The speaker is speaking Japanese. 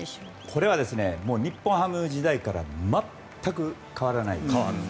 これは日本ハム時代から全く変わらないです。